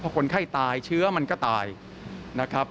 คนไข้ตายเชื้อมันก็ตายนะครับ